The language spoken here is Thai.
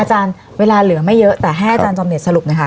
อาจารย์เวลาเหลือไม่เยอะแต่ให้อาจารย์จอมเน็ตสรุปนะคะ